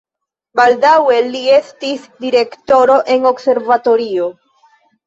Baldaŭe li estis direktoro en observatorio.